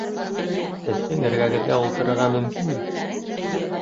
— Һеҙҙең эргәгеҙгә ултырырға мөмкинме?